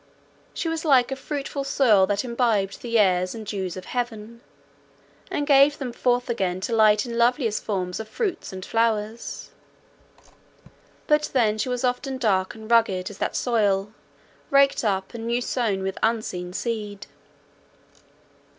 She was like a fruitful soil that imbibed the airs and dews of heaven, and gave them forth again to light in loveliest forms of fruits and flowers; but then she was often dark and rugged as that soil, raked up, and new sown with unseen seed.